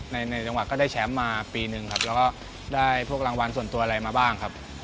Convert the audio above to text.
ในจังหวะก็ได้แชมป์มาปีนึงครับแล้วก็ได้พวกรางวัลส่วนตัวอะไรมาบ้างครับ